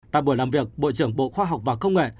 tại buổi làm việc bộ trưởng bộ khoa học và công nghệ